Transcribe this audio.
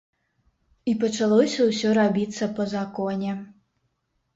І пачалося ўсё рабіцца па законе.